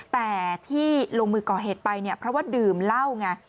แต่ที่ลงมือก่อเหตุไปเนี่ยเพราะว่าดื่มเหล้าไง